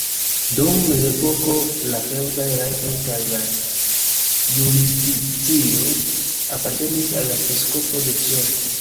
Dum mezepoko la feŭdaj rajtoj kaj la jurisdikcio apartenis al la episkopo de Siono.